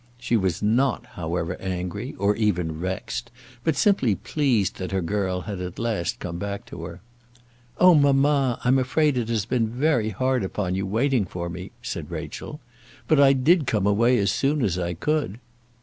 She was not, however, angry, or even vexed, but simply pleased that her girl had at last come back to her. "Oh, mamma, I'm afraid it has been very hard upon you, waiting for me!" said Rachel; "but I did come away as soon as I could."